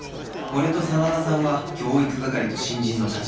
俺と真田さんは教育係と新人の立場